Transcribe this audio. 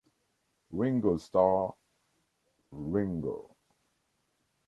"Ringo Starr: "Ringo".